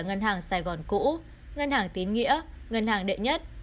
ngân hàng sài gòn cũ ngân hàng tín nghĩa ngân hàng đệ nhất